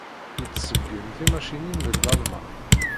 Yettṣeggim timacinin deg Lalman.